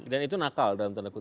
dan itu nakal dalam tanda kutip